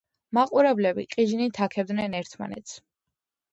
მაყურებლები ყიჟინით აქებდნენ ერთმანეთს.